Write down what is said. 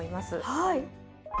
はい！